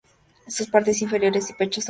Sus partes inferiores y pecho son gris marrón.